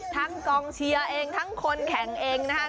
กองเชียร์เองทั้งคนแข่งเองนะคะ